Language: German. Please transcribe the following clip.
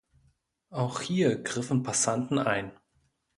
Auch hier griffen Passanten ein.